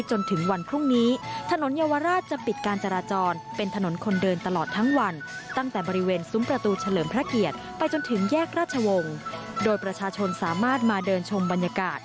จนถึงแยกราชวงศ์โดยประชาชนสามารถมาเดินชมบรรยากาศ